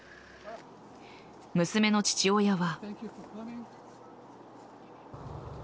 娘の父親は。